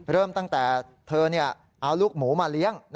เริ่มตั้งแต่เธอเอาลูกหมูมาเลี้ยง